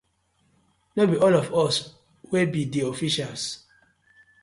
No bi all of us, we bi di officials.